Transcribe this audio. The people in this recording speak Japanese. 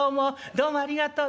どうもありがとう。